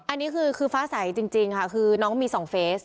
อันนี้คือฟ้าใสจริงค่ะคือน้องมี๒เฟส